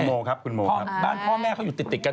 โมครับคุณโมบ้านพ่อแม่เขาอยู่ติดกัน